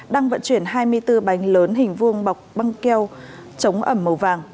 đang vận chuyển hai mươi bốn bánh lớn hình vuông bọc băng keo chống ẩm màu vàng